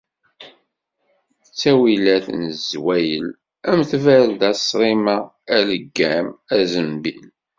Ttawilat n zzwayel am tbarda, ṣṣrima, aleggam, azenbil.